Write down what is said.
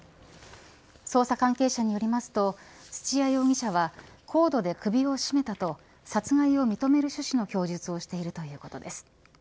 捜査関係者によりますと土屋容疑者はコードで首を絞めたと殺害を認める趣旨の供述をしているということです。